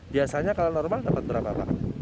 biasanya kalau normal dapat berapa pak